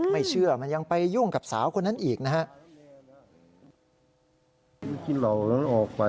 ไม่เชื่อมันยังไปยุ่งกับสาวคนนั้นอีกนะครับ